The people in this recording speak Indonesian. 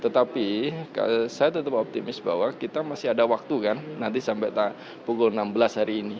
tetapi saya tetap optimis bahwa kita masih ada waktu kan nanti sampai pukul enam belas hari ini